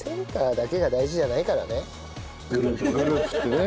グループってね。